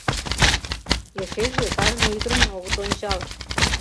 Эшеже кажне ӱдырым огыт ончал.